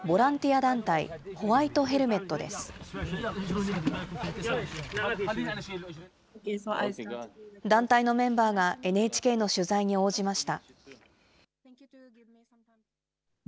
団体のメンバーがＮＨＫの取材に応じました。